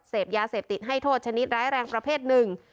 เสพยาเสพติดให้โทษชนิดร้ายแรงประเภทหนึ่ง